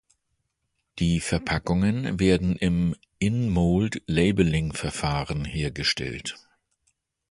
Die Verpackungen werden im In-Mould Labelling-Verfahren hergestellt.